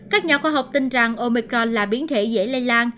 các nhà khoa học tin rằng omicron là biến thể dễ lây lan